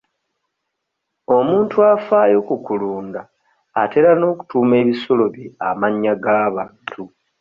Omuntu afaayo ku kulunda atera n'okutuuma ebisolo bye amannya g'abantu.